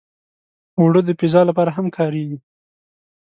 اوړه د پیزا لپاره هم کارېږي